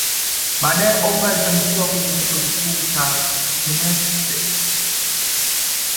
Baadae Oprah alifanikiwa kuingia chuo kikuu cha Tenesse State